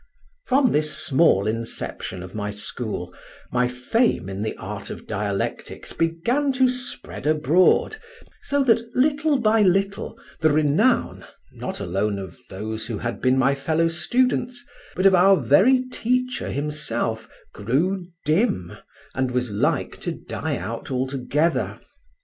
From this small inception of my school, my fame in the art of dialectics began to spread abroad, so that little by little the renown, not alone of those who had been my fellow students, but of our very teacher himself, grew dim and was like to die out altogether.